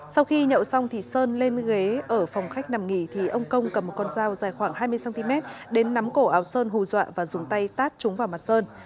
sau khi nhậu xong thì sơn lên ghế ở phòng khách nằm nghỉ thì ông công cầm một con dao dài khoảng hai mươi cm đến nắm cổ áo sơn hù dọa và dùng tay tát chúng vào mặt sơn